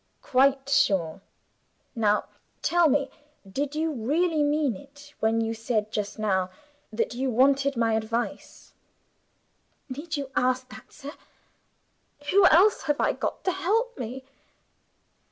"Quite sure. Now tell me, did you really mean it, when you said just now that you wanted my advice?" "Need you ask that, sir? Who else have I got to help me?"